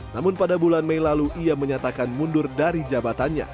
namun pada bulan mei lalu ia menyatakan mundur dari jabatannya